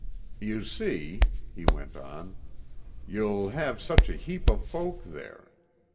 "You see," he went on, "you'll have such a heap of folk there.